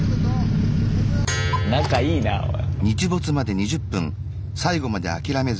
仲いいなおい。